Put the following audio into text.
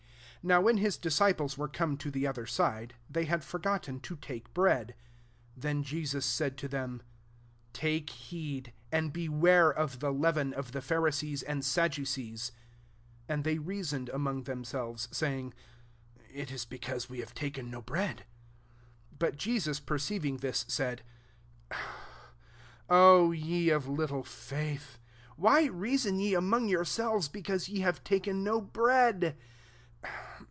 5 NOW when his disciples ▼ere come to the other side, they had forgotten to take bread. 6 Then Jesus said to them, * Take heed» and beware of the leaven of the Pharisees and Sadducees." 7 And they rea soned among themselves, say ing, <(//{> because we have taken no bread." 8 But Jesus perceiving tfda^ s^d^ " O ye of little faith, why reason ye among yourselves, because ye have ta ken no bread